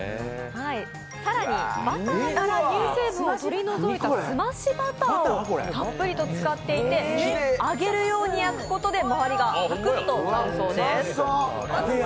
更に、バターから乳成分を取り除いた澄ましバターを使っていて揚げるように焼くことで周りがサクッとなるそうです。